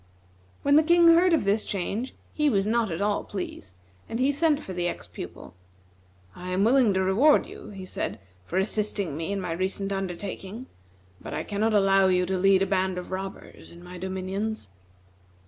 When the King heard of this change, he was not at all pleased, and he sent for the ex pupil. "I am willing to reward you," he said, "for assisting me in my recent undertaking; but I cannot allow you to lead a band of robbers in my dominions."